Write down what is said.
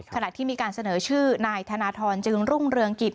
ขณะที่มีการเสนอชื่อนายธนทรจึงรุ่งเรืองกิจ